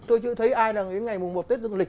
tôi chưa thấy ai là đến ngày mùng một tết dương lịch